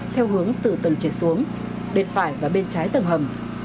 theo hướng từ tầng trệt xuống bên phải và bên trái tầng hầm